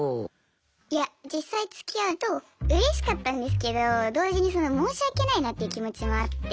いや実際つきあうとうれしかったんですけど同時に申し訳ないなっていう気持ちもあって。